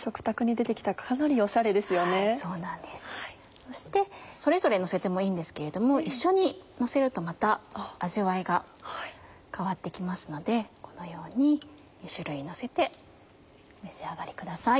そしてそれぞれのせてもいいんですけれども一緒にのせるとまた味わいが変わって来ますのでこのように２種類のせてお召し上がりください。